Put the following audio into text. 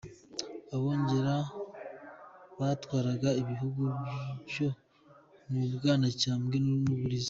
Abongera batwaraga ibihugu byo mu Bwanacyambwe n’u Buriza .